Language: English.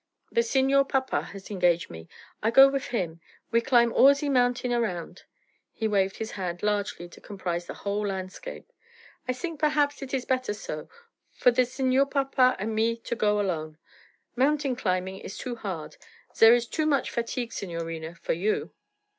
The Signor Papa has engage me. I go wif him; we climb all ze mountain around.' He waved his hand largely to comprise the whole landscape. 'I sink perhaps it is better so for the Signor Papa and me to go alone. Mountain climbing is too hard; zere is too much fatigue, signorina, for you.'